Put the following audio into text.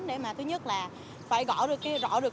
để mà thứ nhất là phải rõ được